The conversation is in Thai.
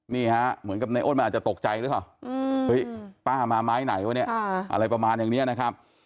เหมือนกับในอ้นมันอาจจะตกใจหรือเปล่าเฮ้ยป้ามาไม้ไหนวะเนี่ยอะไรประมาณอย่างนี้นะครับ